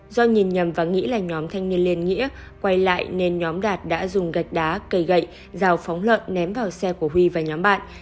do nhìn nhầm và nghĩ là nhóm thanh niên liên nghĩa quay lại nên nhóm đạt đã dùng gạch đá cây gậy dao phóng lợn ném vào xe của huy và nhóm bạn